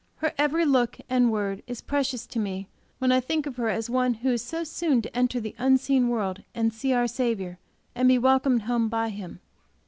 Her every look and word is precious to me when I think of her as one who is so soon to enter the unseen world and see our Saviour, and be welcomed home by Him.